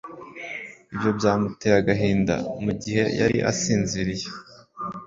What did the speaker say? Ibyo byamuteye agahinda mugihe yari asinziriye